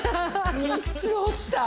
３つ落ちた！